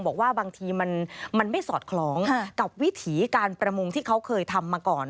บอกว่าบางทีมันไม่สอดคล้องกับวิถีการประมงที่เขาเคยทำมาก่อน